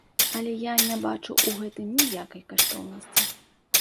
Але я не бачу ў гэтым ніякай каштоўнасці.